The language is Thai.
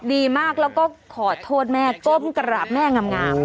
ดีมากแล้วก็ขอโทษแม่ก้มกราบแม่งาม